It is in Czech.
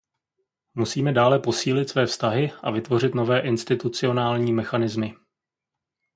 Musíme dále posílit své vztahy a vytvořit nové institucionální mechanismy.